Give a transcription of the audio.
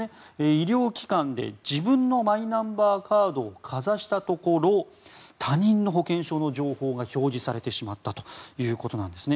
医療機関で自分のマイナンバーカードをかざしたところ他人の保険証の情報が表示されてしまったということなんですね。